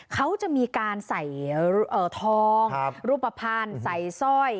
เขาจะมีการใส่ทองรูปภัณฑ์ใส่สร้อย